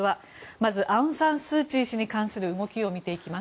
まずアウン・サン・スー・チー氏に関する動きを見ていきます。